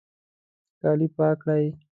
کالي پاک کړئ